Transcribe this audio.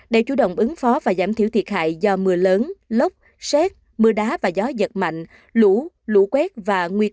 để chủ động ứng phó và giảm thiểu thiệt hại do mưa lớn lốc xét mưa đá và gió giật mạnh lũ lũ quét và nguy cơ